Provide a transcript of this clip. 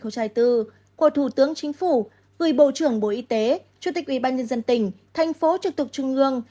của thủ tướng chính phủ gửi bộ trưởng bộ y tế chủ tịch ubnd tỉnh thành phố trực tục trung ương